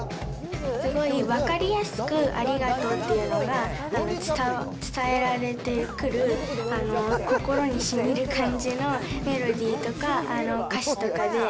すごい分かりやすくありがとうっていうのがなんか伝えられてくる心にしみる感じのメロディーとか歌詞とかで。